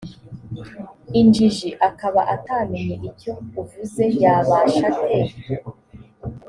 injiji akaba atamenye icyo uvuze yabasha ate